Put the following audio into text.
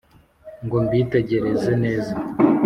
ngo mbitegereze neza